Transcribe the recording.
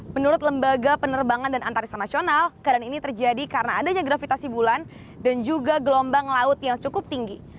menurut lembaga penerbangan dan antariksa nasional keadaan ini terjadi karena adanya gravitasi bulan dan juga gelombang laut yang cukup tinggi